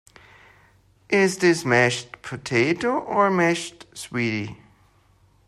Is this mashed potato or mashed swede?